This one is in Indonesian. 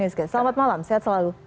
selamat malam sehat selalu